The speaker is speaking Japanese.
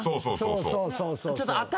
そうそうそうそう。